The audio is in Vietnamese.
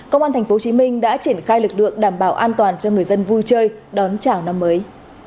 công an tp hcm đã triển khai lực lượng đảm bảo an toàn cho người dân vui chơi đón chào năm mới